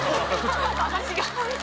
私が。